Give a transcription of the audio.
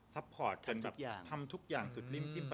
สปอร์ตทำทุกอย่างสุด๗๘